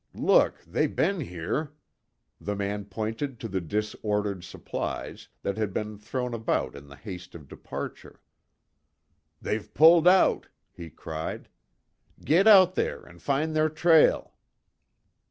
Look, they be'n here!" The man pointed to the disordered supplies, that had been thrown about in the haste of departure. "They've pulled out!" he cried. "Git out there an' find their trail!"